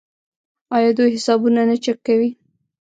آیا دوی حسابونه نه چک کوي؟